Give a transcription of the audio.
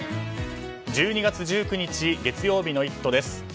１２月１９日月曜日の「イット！」です。